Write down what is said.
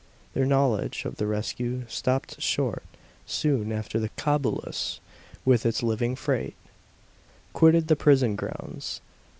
Their knowledge of the rescue stopped short soon after the Cobulus, with its living freight, quitted the prison grounds.